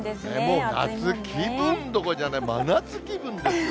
もう夏気分どころじゃない、真夏気分です。